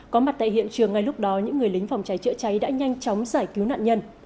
có mặt tại hiện trường ngay lúc đó những người lính phòng cháy chữa cháy đã nhanh chóng giải cứu nạn nhân